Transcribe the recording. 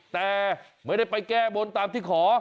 แต่ไม่ได้ไปแก้บนตามที่ขอ